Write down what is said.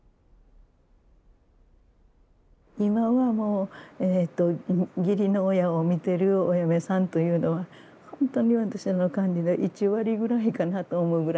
今はもう義理の親を見てるお嫁さんというのは本当に私の感じで１割ぐらいかなと思うぐらいの。